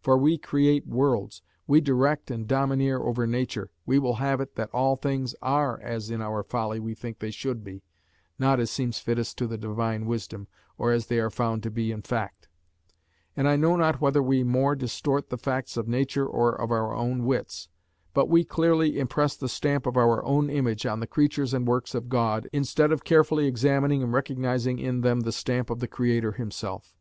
For we create worlds, we direct and domineer over nature, we will have it that all things are as in our folly we think they should be, not as seems fittest to the Divine wisdom, or as they are found to be in fact; and I know not whether we more distort the facts of nature or of our own wits; but we clearly impress the stamp of our own image on the creatures and works of God, instead of carefully examining and recognising in them the stamp of the Creator himself.